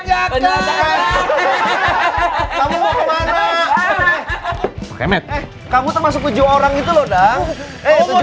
apa penuntut ilmu